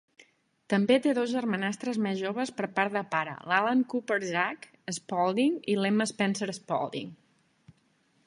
També té dos germanastres més joves per part de pare, l"Alan Cooper "Zach" Spaulding i l"Emma Spencer-Spaulding.